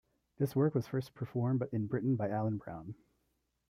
This work was first performed in Britain by Alan Brown.